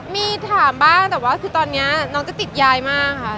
มีถามบ้างแต่ว่าคือตอนนี้น้องจะติดยายมากค่ะ